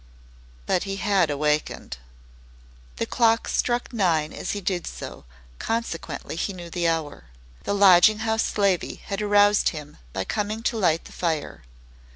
But he had awakened. The clock struck nine as he did so, consequently he knew the hour. The lodging house slavey had aroused him by coming to light the fire.